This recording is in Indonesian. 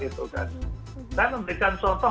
saya memberikan contoh